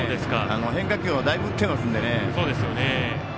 変化球をだいぶ、打ってますので。